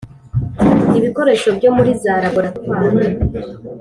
ibikoresho byo muri za "laboratwari”,